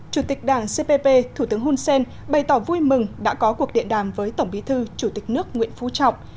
chủ tịch đảng cpp thủ tướng hun sen bày tỏ vui mừng đã có cuộc điện đàm với tổng bí thư chủ tịch nước nguyễn phú trọng